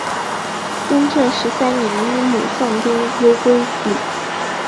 雍正十三年因母丧丁忧归里。